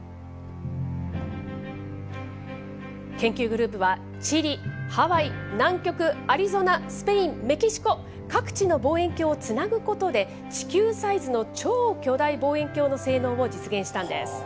研究グループは、チリ、ハワイ、南極、アリゾナ、スペイン、メキシコ、各地の望遠鏡をつなぐことで、地球サイズの超巨大望遠鏡の性能を実現したんです。